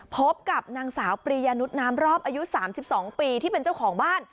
พบกับนางสาวปริยานุษย์น้ำรอบอายุ๓๒ปีที่เป็นเจ้าของบ้าน